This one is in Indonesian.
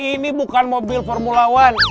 ini bukan mobil formulawan